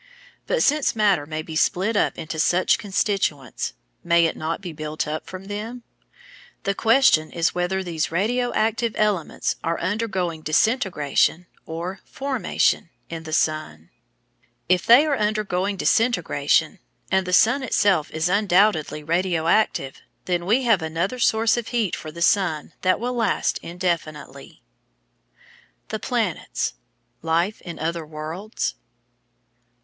But since matter may be split up into such constituents, may it not be built up from them? The question is whether these "radio active" elements are undergoing disintegration, or formation, in the sun. If they are undergoing disintegration and the sun itself is undoubtedly radio active then we have another source of heat for the sun that will last indefinitely. THE PLANETS LIFE IN OTHER WORLDS?